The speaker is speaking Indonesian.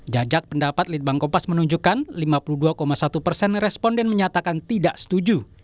jajak pendapat litbang kompas menunjukkan lima puluh dua satu persen responden menyatakan tidak setuju